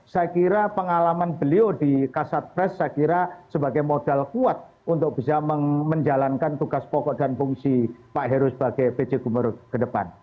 saya kira pengalaman beliau di kasat pres saya kira sebagai modal kuat untuk bisa menjalankan tugas pokok dan fungsi pak heru sebagai pj gubernur ke depan